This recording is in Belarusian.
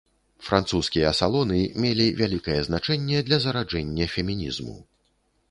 Французскія салоны мелі вялікае значэнне для зараджэння фемінізму.